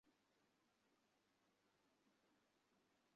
সব ছেড়ে দাও, তার যেখানে যাবার ভেসে যাক।